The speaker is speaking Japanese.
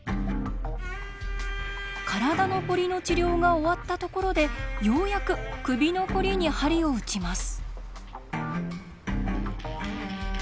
体のコリの治療が終わったところでようやく首のコリに鍼をうちます。